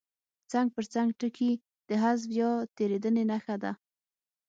څنګ پر څنګ ټکي د حذف یا تېرېدنې نښه ده.